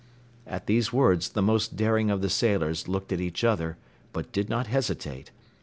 At these words the most daring of the sailors looked at each other, but did not hesitate.